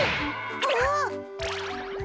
あっ！